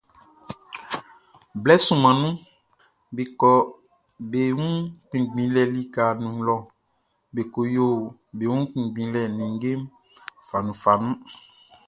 Blɛ sunman nunʼn, be kɔ be wun kpinngbinlɛ likaʼn nun lɔ be ko yo be wun kpinngbinlɛ nin ninnge fanunfanun.